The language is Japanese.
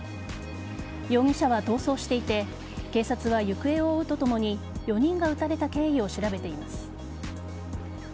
容疑者は逃走していて警察は行方を追うとともに４人が撃たれた経緯を調べています。